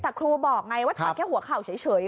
แต่ครูบอกไงว่าถอดแค่หัวเข่าเฉย